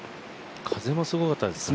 風もすごかったですね